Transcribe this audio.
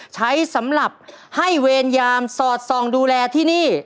ใช้สำหรับให้เวรยามสอดส่องดูแลที่นี่